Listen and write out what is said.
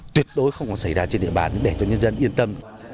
tuyệt đối không có xảy ra trên địa bàn để cho nhân dân yên tâm